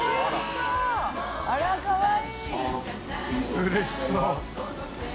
うれしそう。